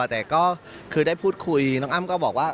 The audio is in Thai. แต่ก็คือได้พูดคุยน้องอ้ำก็บอกว่า